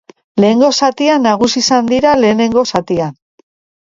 Lehenengo zatian nagusi izan dira lehenengo zatian.